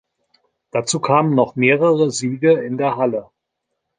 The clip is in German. Dazu kamen noch mehrere Siege in der Halle.